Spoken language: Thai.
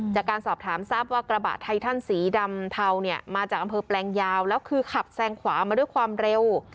จากการสอบถามทราบว่ากระบะไททันสีดำเทาเนี่ยมาจากอำเภอแปลงยาวแล้วคือขับแซงขวามาด้วยความเร็ว